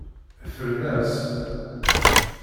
Ffren-as.